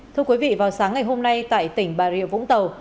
thưa quý vị vào sáng ngày hôm nay tại tỉnh bà rịa vũng tàu